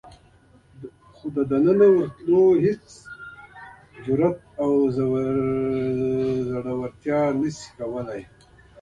خو دننه ورتلو هېڅ جرئت او زړورتیا نشي کولای.